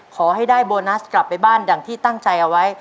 ขอให้ได้โบนัสกลับไปบ้านอย่างที่ตั้งใจเอาไว้